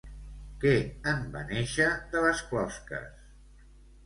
Què en va néixer de les closques?